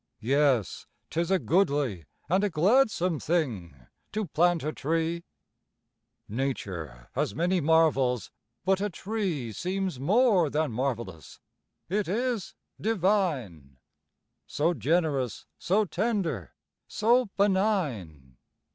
Yes, 'tis a goodly, and a gladsome thing To plant a tree. Nature has many marvels; but a tree Seems more than marvellous. It is divine. So generous, so tender, so benign.